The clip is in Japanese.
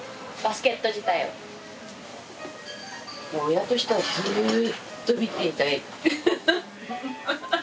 親としてはずっと見ていたい。